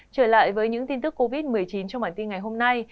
trở lại với những tin tức covid một mươi chín trong bản tin ngày hôm nay